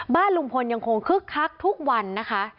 บ้านลุงพลยังคงคึกคักทุกวันนะคะ